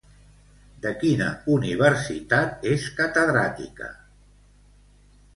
De quina universitat és catedràtica?